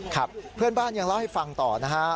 ครับเพื่อนบ้านยังเล่าให้ฟังต่อนะฮะ